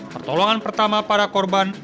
pertolongan pertama para korban